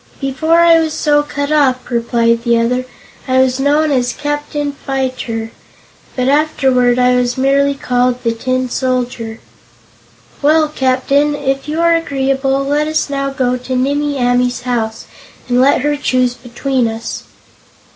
"Before I was so cut up," replied the other, "I was known as Captain Fyter, but afterward I was merely called 'The Tin Soldier.'" "Well, Captain, if you are agreeable, let us now go to Nimmie Amee's house and let her choose between us."